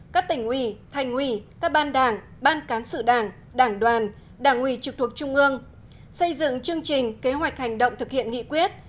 các tỉnh ủy thành ủy các ban đảng ban cán sự đảng đảng đoàn đảng ủy trực thuộc trung ương xây dựng chương trình kế hoạch hành động thực hiện nghị quyết